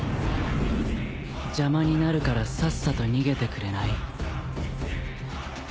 「邪魔になるからさっさと逃げてくれない？」